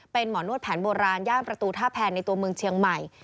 เป็นหมอนวดแผนโบราณย่านประตูท่าแพนในตัวเมืองเชียงใหม่